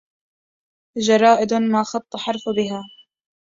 جرائد ما خط حرف بها